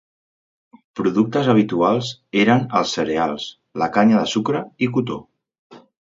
Productes habituals eren els cereals, la canya de sucre i cotó.